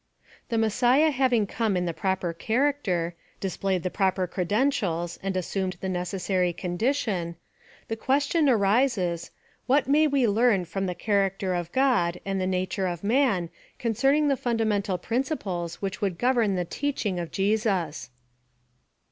The Messiah having come in the proper char acter ; displayed the proper credentials, and assum ed the necessary condition, the question arises. What may we learn from the character of God and the nature of man concerning the fundamental prin ciples which would govern the teaching of Jesus